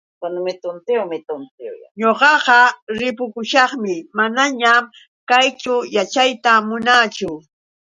Ñuqaqa ripukushaqmi, manañan kayćhu yaćhayta munaachu.